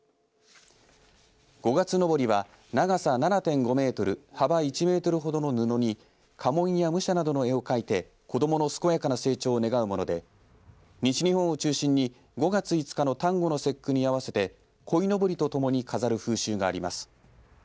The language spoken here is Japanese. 五月のぼりは長さ７．５メートル幅１メートルほどの布に家紋や武者などの絵を描いて子どもの健やかな成長を願うもので西日本を中心に５月５日の端午の節句に合わせてこいのぼりとともに飾る風習があります。